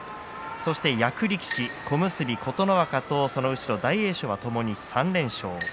そして役力士、小結琴ノ若とその後ろ大栄翔、ともに３連勝。